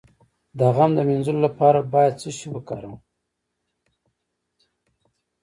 د غم د مینځلو لپاره باید څه شی وکاروم؟